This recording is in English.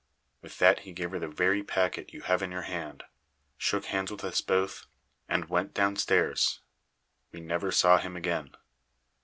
With that he gave her the very packet you have in your hand, shook hands with us both, and went downstairs. We never saw him again.